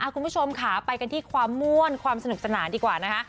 คุณผู้ชมค่ะไปกันที่ความม่วนความสนุกสนานดีกว่านะคะ